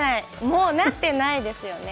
もうなってないですよね。